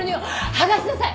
剥がしなさい！